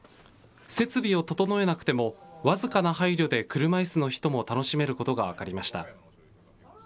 設備を整えなくても、僅かな配慮で車いすの人も楽しめることが分かりました。